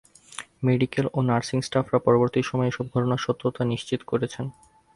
Medical ও nursing স্টাফরা পরবর্তী সময়ে এসব ঘটনার সত্যতা নিশ্চিত করেছেন।